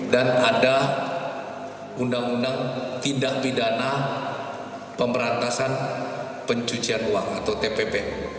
dan ada undang undang tindak pidana pemberantasan pencucian uang atau tpp